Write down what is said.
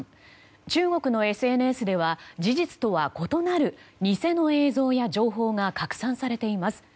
中国のＳＮＳでは事実とは異なる偽の映像や情報が拡散されています。